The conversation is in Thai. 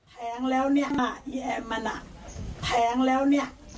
แพ้งแล้วเนี่ยอ่ะไอ้แอมมันอ่ะแพ้งแล้วเนี่ย